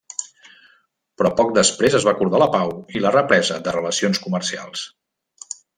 Però poc després es va acordar la pau i la represa de relacions comercials.